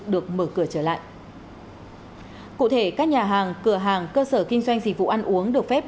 được mở cửa trở lại cụ thể các nhà hàng cửa hàng cơ sở kinh doanh dịch vụ ăn uống được phép